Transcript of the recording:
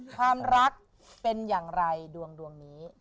ความรักเป็นอย่างไรดวงดวงนี้